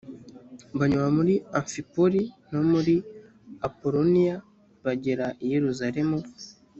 banyura muri amfipoli no muri apoloniya bagera i yeruzaremu.